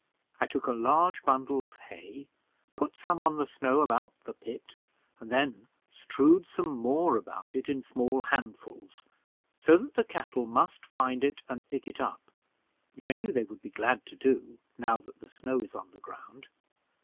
I took a large bundle of hay, put some on the snow about the pit, and then strewed some more about in small handfuls, so that the cattle must find it, and pick it up, which I knew they would be glad to do, now that the snow is on the ground.